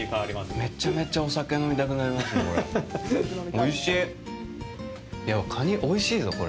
めっちゃめちゃお酒飲みたくなりますねこれ。